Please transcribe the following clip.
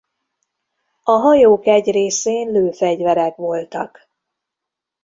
A hajók egy részén lőfegyverek voltak.